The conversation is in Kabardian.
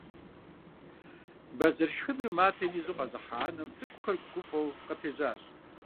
Бэзэр шхыныр матэм изу къэзыхьа анэм цӀыкӀухэр гуфӀэу къыпежьащ.